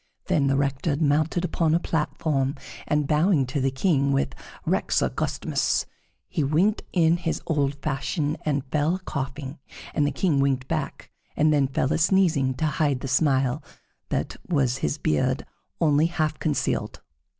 Then the Rector mounted upon a platform, and bowing to the King with "Rex augustissimus" he winked in his old fashion and fell a coughing, and the King winked back and then fell a sneezing, to hide the smile that his beard only half concealed.